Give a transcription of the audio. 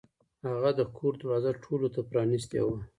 هغه د کور دروازه ټولو ته پرانیستې وه.